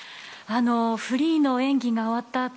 フリーの演技が終わった